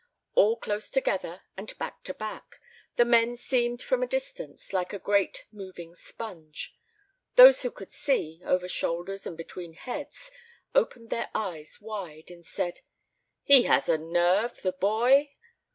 All close together and back to back, the men seemed from a distance like a great moving sponge. Those who could see, over shoulders and between heads, opened their eyes wide and said, "He has a nerve, the boy!"